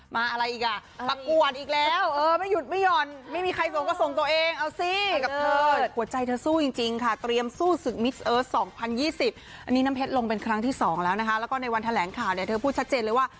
มาอะไรอีกอะประกวดอีกแล้ว